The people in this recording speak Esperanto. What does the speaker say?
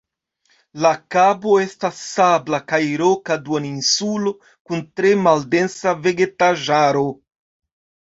La kabo estas sabla kaj roka duoninsulo kun tre maldensa vegetaĵaro.